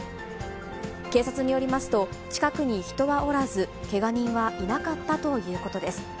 警察によりますと、近くに人はおらず、けが人はいなかったということです。